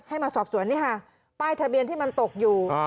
ให้มาสอบสวนนี่ค่ะป้ายทะเบียนที่มันตกอยู่